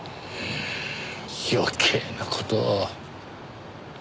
余計な事を。